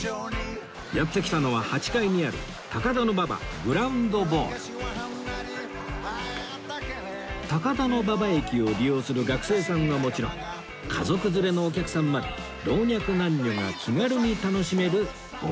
やって来たのは８階にある高田馬場駅を利用する学生さんはもちろん家族連れのお客さんまで老若男女が気軽に楽しめるボウリング場です